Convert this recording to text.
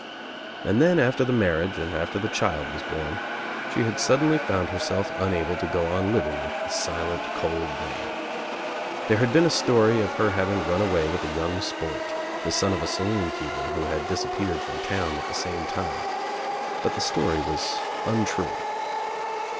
And then after the marriage and after the child was born she had suddenly found herself unable to go on living with the silent cold man. There had been a story of her having run away with a young sport, the son of a saloon keeper who had disappeared from town at the same time, but the story was untrue.